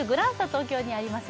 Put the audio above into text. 東京にあります